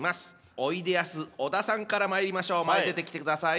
おいでやす小田さんからまいりましょう前へ出てきてください。